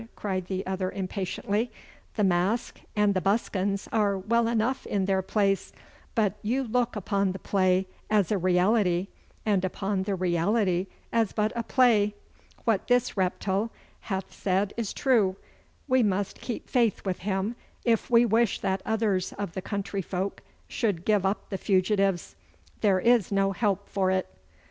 cried the other impatiently. 'The mask and the buskins are well enough in their place, but you look upon the play as a reality and upon the reality as but a play. What this reptile hath said is true. We must keep faith with him if we wish that others of the country folk should give up the fugitives. There is no help for it!